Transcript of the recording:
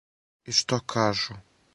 И што кажу?